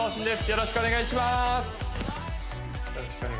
よろしくお願いします